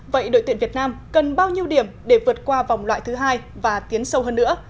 vậy đội tuyển việt nam cần bao nhiêu điểm để vượt qua vòng loại thứ hai và tiến sâu hơn nữa